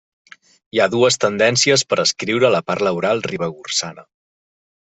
Hi ha dues tendències per escriure la parla oral ribagorçana.